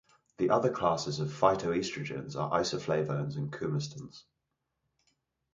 The other classes of phytoestrogens are isoflavones and coumestans.